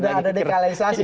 sudah ada dekalisasi